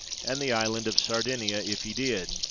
89 and the island of Sardinia if he did.